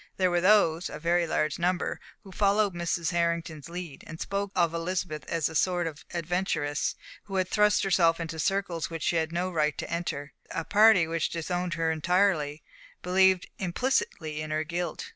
There were those a very large number who followed Mrs. Hartington's lead, and spoke of Elizabeth as a sort of adventuress, who had thrust herself into circles which she had no right to enter; a party which disowned her entirely and believed implicitly in her guilt.